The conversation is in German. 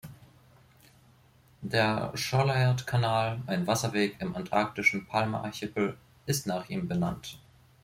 Der Schollaert-Kanal, ein Wasserweg im antarktischen Palmer-Archipel, ist nach ihm benannt.